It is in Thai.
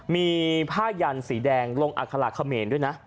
มีผ้ายันสีแดงลงอัคละเขมรด้วยนะ